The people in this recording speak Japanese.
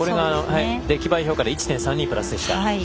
出来栄え評価で１．３２プラスでした。